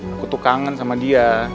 aku tuh kangen sama dia